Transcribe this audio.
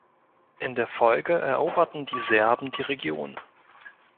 In der Folge eroberten die Serben die Region.